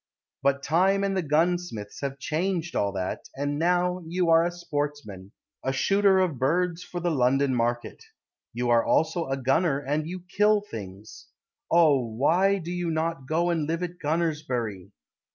But time and the gunsmiths Have changed all that; And now you are a sportsman, A shooter of birds For the London market. You are also a gunner, And you kill things. Oh! why do you not go And live at Gunners bury?